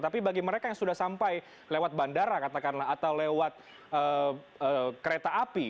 tapi bagi mereka yang sudah sampai lewat bandara katakanlah atau lewat kereta api